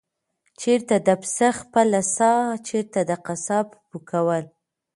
چېرته د پسه خپله ساه، چېرته د قصاب پوکل؟